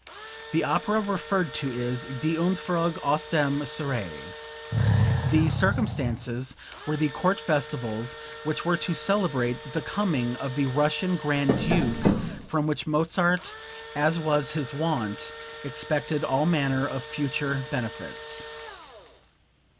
The opera referred to is "Die Entfuhrung aus dem Serail." The "circumstances" were the court festivals which were to celebrate the coming of the Russian Grand Duke, from which Mozart, as was his wont, expected all manner of future benefits.)